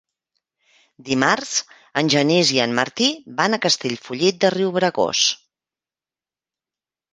Dimarts en Genís i en Martí van a Castellfollit de Riubregós.